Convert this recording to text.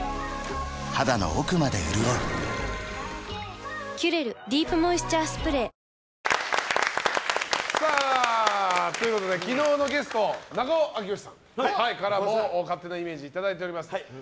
肌の奥まで潤う「キュレルディープモイスチャースプレー」昨日のゲスト中尾明慶さんからも勝手なイメージいただいております。